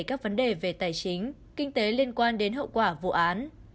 các vấn đề về tài chính kinh tế liên quan đến hậu quả vụ án